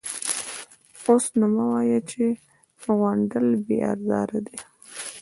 _اوس نو مه وايه چې غونډل بې ازاره دی.